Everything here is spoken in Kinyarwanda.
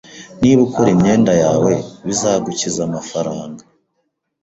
Niba ukora imyenda yawe, bizagukiza amafaranga